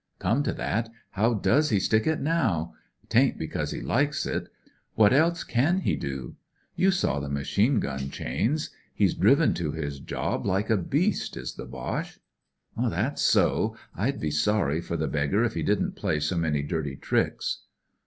"Come to that, how does he stick it now ? 'Tain't because he likes it. What else can he do ? You saw the machine gun chains. He's driven to his job hke a beast, is the Boche." " That's so. I'd be sorry for the beggar if he didn't play so many dirty tricks."